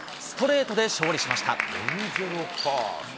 ストレートで勝利しました。